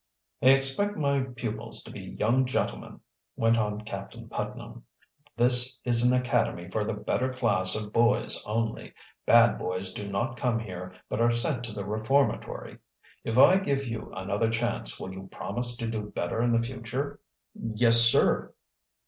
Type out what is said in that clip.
"I expect my pupils to be young gentlemen," went on Captain Putnam. "This is an academy for the better class of boys only. Bad boys do not come here, but are sent to the reformatory. If I give you another chance will you promise to do better in the future?" "Yes, sir."